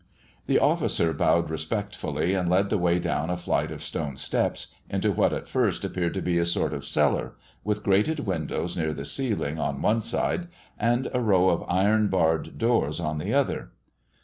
The officer bowed respectfully and led the way down a flight of stone steps into what at first appeared to be a sort of cellar, with grated windows near the ceiling on one side and a row of iron barred doors on the other.